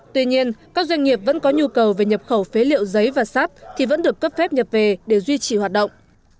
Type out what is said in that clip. tuy nhiên các doanh nghiệp vẫn có nhu cầu về nhập khẩu phế liệu giấy và sáp thì vẫn được cấp phép nhập về để duy trì hoạt động